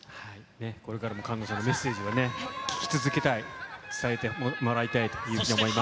これからも栞奈さんのメッセージを聞き続けたい、伝えてもらいたいというふうに思います。